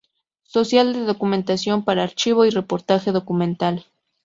Social de documentación para archivo y reportaje documental.